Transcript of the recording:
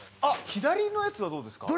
左のやつはどうですか？